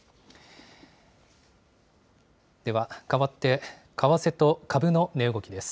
では、変わって、為替と株の値動きです。